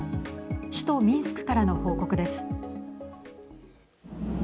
首都ミンスクからの報告です。